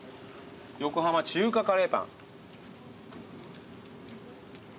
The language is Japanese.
横浜中華カレーパン。